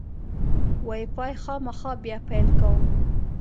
وای فای خامخا بیا پیل کوم.